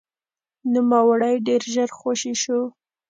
نوموړی ډېر ژر خوشې شو.